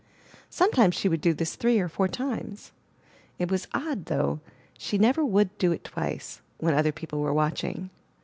Some times she would do this three or four times. It was odd, though, she never would do it twice, when other people were watching.